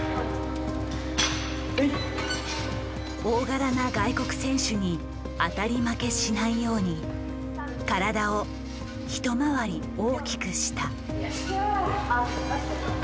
大柄な外国選手に当たり負けしないように体を一回り大きくした。